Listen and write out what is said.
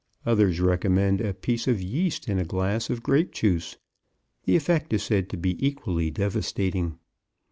Others recommend a piece of yeast in a glass of grape juice. The effect is said to be equally devastating.